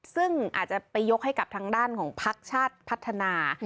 ซึ่งอาจจะไปยกให้กับทางด้านของพักชาติพัฒนา